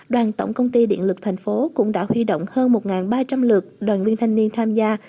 đoàn tổng công ty điện lực thành phố cũng đã huy động hơn một ba trăm linh lượt đoàn viên thanh niên tham gia